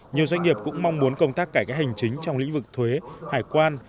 nhiều doanh nghiệp cũng mong muốn công tác cải cách hành chính trong lĩnh vực thuế hải quan